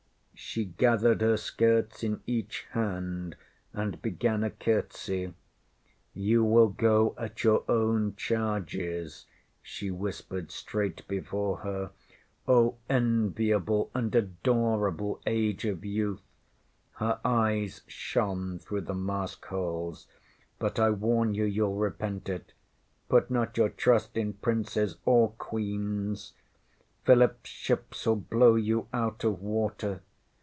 ŌĆÖ She gathered her skirts in each hand, and began a curtsy. ŌĆśYou will go at your own charges, ŌĆÖ she whispered straight before her. ŌĆśOh, enviable and adorable age of youth! ŌĆÖ Her eyes shone through the mask holes. ŌĆśBut I warn you youŌĆÖll repent it. Put not your trust in princes or Queens. PhilipŌĆÖs shipsŌĆÖll blow you out of water.